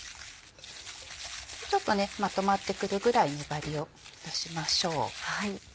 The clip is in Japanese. ちょっとまとまってくるぐらい粘りを出しましょう。